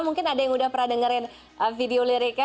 mungkin ada yang udah pernah dengerin video liriknya